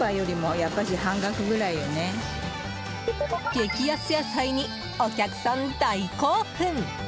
激安野菜にお客さん、大興奮。